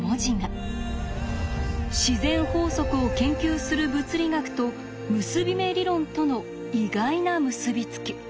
自然法則を研究する物理学と結び目理論との意外な結び付き。